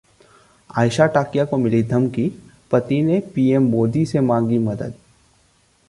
आयशा टाकिया को मिली धमकी, पति ने पीएम मोदी से मांगी मदद